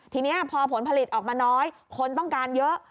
ทีนี้พอผลผลิตออกมาน้อยคนต้องการเยอะ